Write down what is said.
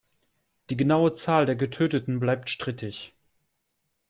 Die genaue Zahl der Getöteten bleibt strittig.